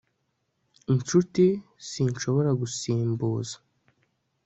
inshuti sinshobora gusimbuza